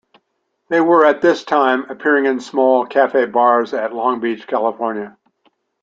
They were at this time appearing in small cafe-bars at Long Beach, California.